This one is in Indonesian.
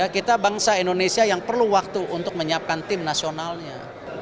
kita bangsa indonesia yang perlu waktu untuk menyiapkan tim nasionalnya